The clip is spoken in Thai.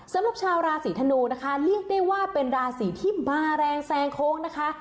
สำหรับชาวราศีธนูนะคะเรียกได้ว่าเป็นราศีที่มาแรงแซงโค้งนะคะ